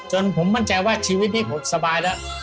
จนผมมั่นใจว่าชีวิตนี้ผมสบายแล้ว